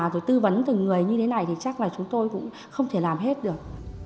rồi tư vấn từ người như thế này thì chắc là chúng tôi cũng không thể làm hết được